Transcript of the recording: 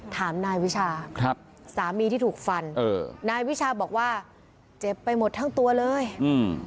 ถามนายวิชาครับสามีที่ถูกฟันเออนายวิชาบอกว่าเจ็บไปหมดทั้งตัวเลยอืม